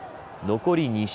残り２周。